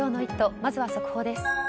まずは速報です。